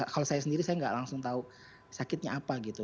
kalau saya sendiri saya nggak langsung tahu sakitnya apa gitu